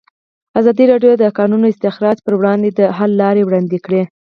ازادي راډیو د د کانونو استخراج پر وړاندې د حل لارې وړاندې کړي.